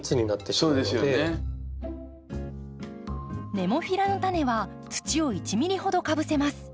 ネモフィラのタネは土を１ｍｍほどかぶせます。